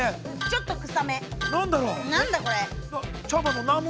ちょっと、くさめ。